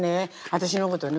私のことね